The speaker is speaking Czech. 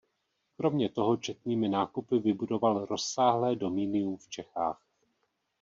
Kromě toho četnými nákupy vybudoval rozsáhlé dominium v Čechách.